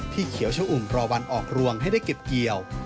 เขียวชะอุ่มรอวันออกรวงให้ได้เก็บเกี่ยว